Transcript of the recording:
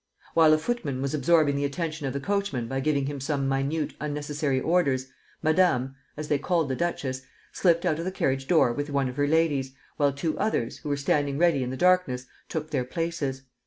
While a footman was absorbing the attention of the coachman by giving him some minute, unnecessary orders, Madame (as they called the duchess) slipped out of the carriage door with one of her ladies, while two others, who were standing ready in the darkness, took their places.